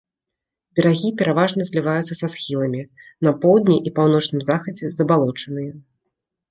Берагі пераважна зліваюцца са схіламі, на поўдні і паўночным захадзе забалочаныя.